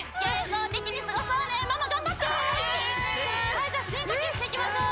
はいじゃあ深呼吸していきましょう！